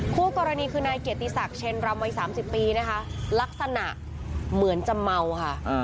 คู่กรณีคือนายเกดที่ศักดิ์เช่นรำวัยสามสิบปีน่ะคะลักษณะเหมือนจะเมาค่ะอ่า